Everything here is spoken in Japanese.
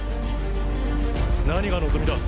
何が望みだ？